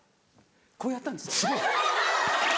こうやったんですよ。